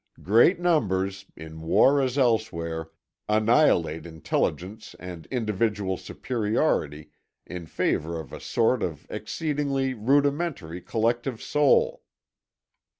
Great numbers, in war as elsewhere, annihilate intelligence and individual superiority in favour of a sort of exceedingly rudimentary collective soul."